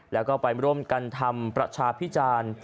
แล้วก็ไปร่วมกันทำประชาพิจารณ์